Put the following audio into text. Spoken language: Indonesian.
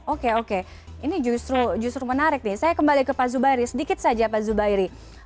oke oke ini justru menarik nih saya kembali ke pak zubairi sedikit saja pak zubairi